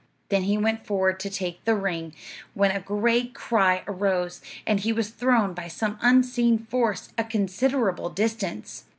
Then he went forward to take the ring, when a great cry arose, and he was thrown by some unseen force a considerable distance.